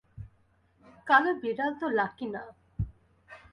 কালো বিড়াল তো লাকি না।